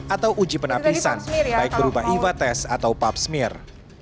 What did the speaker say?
atau uji penapisan baik berubah iva tes atau papsmir